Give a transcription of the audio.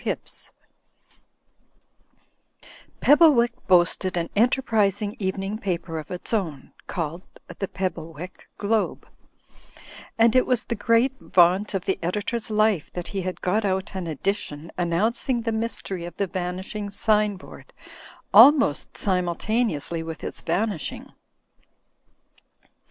HIBBS Pebblewick boasted an enterprising evening paper of its own, called "The Pebblewick Globe/' and it was the great vaunt of the editor's life that he had got out an edition annoimcing the mystery of the vanishing sign board, almost simultaneously with its vanishing.